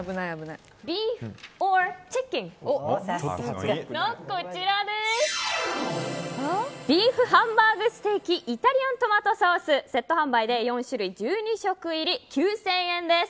ビーフｏｒチキンのビーフハンバーグステーキイタリアントマトソースセット販売で４種類１２食入り９０００円です。